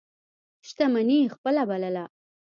شتمني یې خپله بلله.